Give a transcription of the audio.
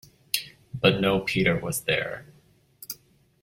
But no Peter was there.